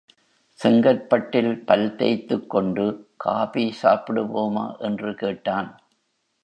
செங்கற்பட்டில் பல் தேய்த்துக் கொண்டு காபி சாப்பிடுவோமா? என்று கேட்டான்.